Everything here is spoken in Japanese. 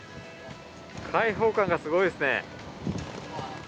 開放感がすごいですね。